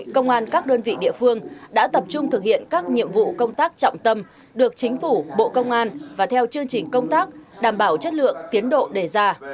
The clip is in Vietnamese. công an các đơn vị địa phương đã tập trung thực hiện các nhiệm vụ công tác trọng tâm được chính phủ bộ công an và theo chương trình công tác đảm bảo chất lượng tiến độ đề ra